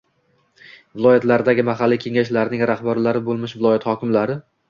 Viloyatlardagi mahalliy kengashlarning rahbarlari bo‘lmish viloyat hokimlari